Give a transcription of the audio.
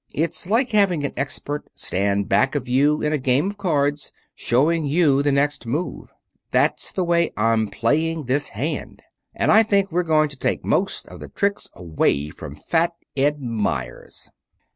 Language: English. It's like having an expert stand back of you in a game of cards, showing you the next move. That's the way I'm playing this hand. And I think we're going to take most of the tricks away from Fat Ed Meyers."